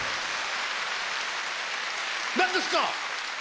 何ですか！